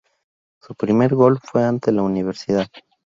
Su primer gol fue ante la Univ.